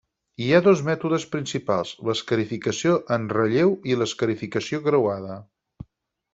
Hi ha dos mètodes principals: l'escarificació en relleu i l'escarificació creuada.